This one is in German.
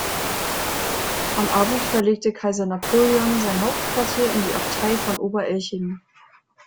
Am Abend verlegte Kaiser Napoleon sein Hauptquartier in die Abtei von Ober-Elchingen.